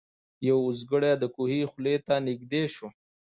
یو اوزګړی د کوهي خولې ته نیژدې سو